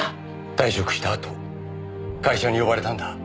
退職したあと会社に呼ばれたんだ。